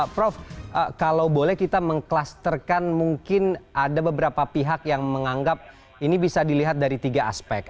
prof kalau boleh kita mengklasterkan mungkin ada beberapa pihak yang menganggap ini bisa dilihat dari tiga aspek